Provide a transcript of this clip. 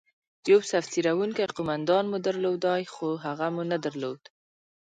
یو صف څیرونکی قومندان مو درلودلای، خو هغه مو نه درلود.